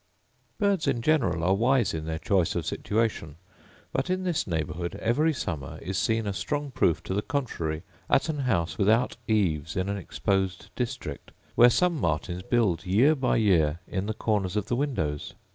Birds in general are wise in their choice of situation: but in this neighbourhood every summer is seen a strong proof to the contrary at an house without eaves in an exposed district, where some martins build year by year in the corners of the windows.